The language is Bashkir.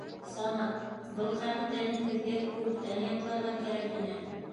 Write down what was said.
Самат, был ҡағиҙәне һеҙгә күптән ятларға кәрәк ине